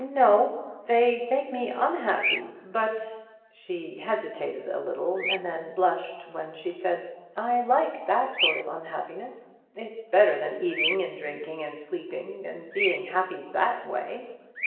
"No, they make me unhappy; but" she hesitated a little, and then blushed as she said "I like that sort of unhappiness. It's better than eating and drinking and sleeping, and being happy that way."